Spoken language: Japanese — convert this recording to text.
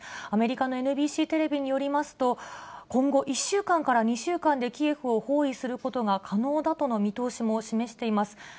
アメリカのＮＢＣテレビによりますと、今後１週間から２週間でキエフを包囲することが可能だとの見通しも示しています。